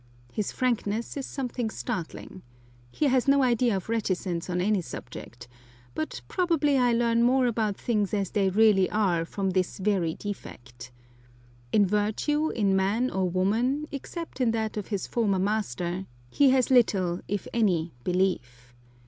His frankness is something startling. He has no idea of reticence on any subject; but probably I learn more about things as they really are from this very defect. In virtue in man or woman, except in that of his former master, he has little, if any belief.